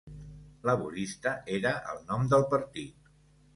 "Laborista" era el nom del partit.